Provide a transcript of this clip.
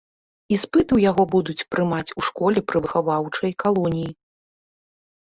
Іспыты ў яго будуць прымаць у школе пры выхаваўчай калоніі.